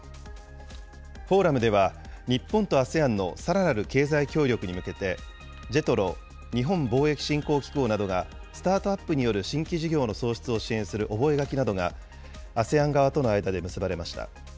フォーラムでは、日本とＡＳＥＡＮのさらなる経済協力に向けて、ＪＥＴＲＯ・日本貿易振興機構などがスタートアップによる新規事業の創出を支援する覚書などがＡＳＥＡＮ側との間で結ばれました。